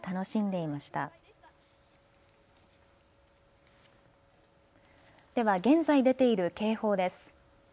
では現在出ている警報です。